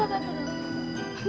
maaf ya telat ma